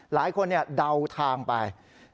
หลายคนเดาทางไป